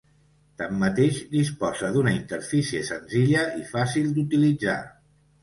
Tanmateix disposa d'una interfície senzilla i fàcil d'utilitzar.